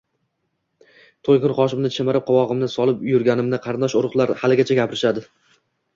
To`y kuni qoshimni chimirib, qovog`imni solib yurganimni qarindosh-urug`lar haligacha gapirishadi